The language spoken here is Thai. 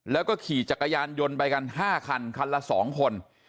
แล้วก็ขี่จักรยานยนต์ไปกัน๕คันคันละ๒คน